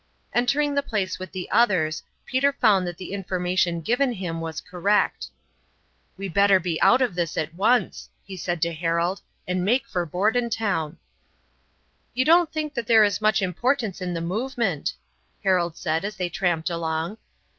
Entering the place with the others, Peter found that the information given him was correct. "We better be out of this at once," he said to Harold, "and make for Bordentown." "You don't think that there is much importance in the movement," Harold said as they tramped along.